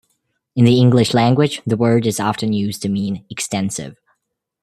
In the English language, the word is often used to mean "extensive".